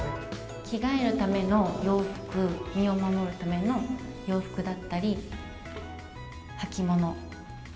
着替えるための洋服、身を守るための洋服だったり、履物。